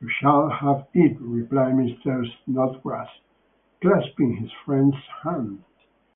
‘You shall have it,’ replied Mr. Snodgrass, clasping his friend’s hand.